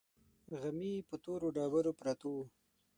غمي پر تورو ډبرو پراته وو.